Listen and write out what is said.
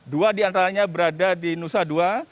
dua di antaranya berada di nusa dua